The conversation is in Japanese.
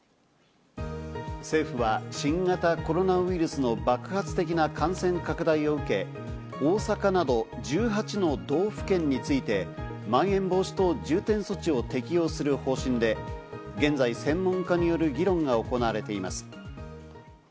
政府は新型コロナウイルスの爆発的な感染拡大を受け、大阪など１８の道府県についてまん延防止等重点措置を適用する方針で、現在、専門家による議論が行われています。